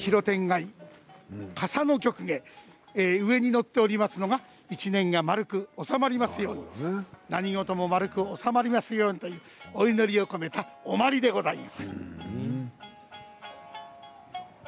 傘の曲芸上に載っておりますのが１年が丸く収まりますように何事も丸く収まりますようにとお祈りを込めておまりでございます。